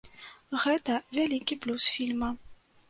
Гэта вялікі плюс фільма.